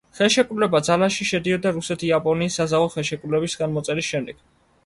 ხელშეკრულება ძალაში შედიოდა რუსეთ-იაპონიის საზავო ხელშეკრულების ხელმოწერის შემდეგ.